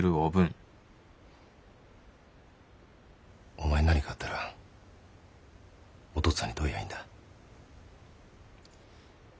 お前に何かあったらお父っつぁんにどう言やいいんだ。